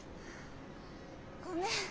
ごめん。